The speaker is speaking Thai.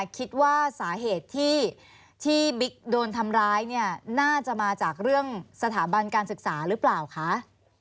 คิดว่าสาเหตุที่บิ๊กโดนทำร้ายเนี่ยน่าจะมาจากเรื่องสถาบันการศึกษาหรือเปล่าคะ